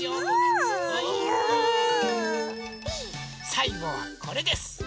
さいごはこれです。